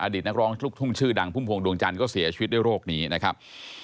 นักร้องลูกทุ่งชื่อดังพุ่มพวงดวงจันทร์ก็เสียชีวิตด้วยโรคนี้นะครับ